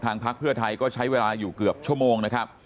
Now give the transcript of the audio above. พักเพื่อไทยก็ใช้เวลาอยู่เกือบชั่วโมงนะครับ